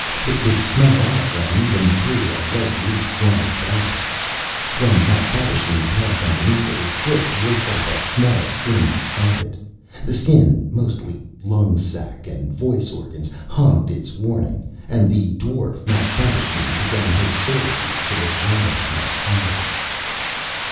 It could smell out one even through a lead leaf lined bag. When Mapfabvisheen passed underneath it, its clicks woke up a small Skin beside it. The Skin, mostly lung sac and voice organs, honked its warning. And the dwarf, Mapfabvisheen, began his servitude to the Giant, Mapfarity.